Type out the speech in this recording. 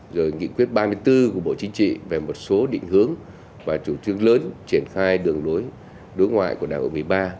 rồi nghị quyết ba mươi bốn của bộ chính trị về một số định hướng và chủ trương lớn triển khai đường lối đối ngoại của đại hội một mươi ba